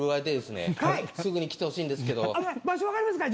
場所わかりますか？